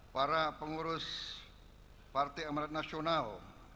para pengurus partai amarat nasional